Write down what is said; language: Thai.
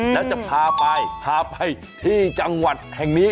แล้วจะพาไปพาไปที่จังหวัดแห่งนี้